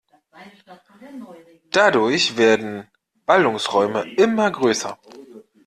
Dadurch werden Ballungsräume immer größer.